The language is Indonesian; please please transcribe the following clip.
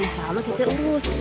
insya allah cece urus